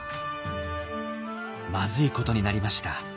まずいことになりました。